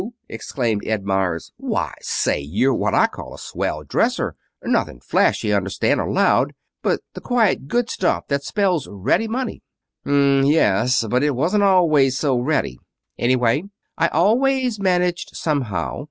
exclaimed Ed Meyers. "Why, say, you're what I call a swell dresser. Nothing flashy, understand, or loud, but the quiet, good stuff that spells ready money." "M m m yes. But it wasn't always so ready. Anyway, I always managed somehow.